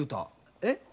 えっ？